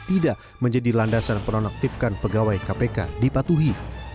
tidak menjadi landasan penonaktifkan pegawai kpk dipatuhi